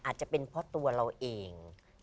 อาจจะเป็นเพราะตัวเราเอง